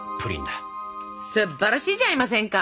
すっばらしいじゃありませんか！